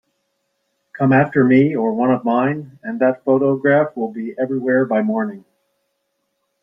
Come after me or one of mine, and that photograph will be everywhere by morning.